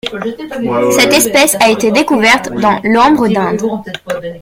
Cette espèce a été découverte dans de l'ambre d'Inde.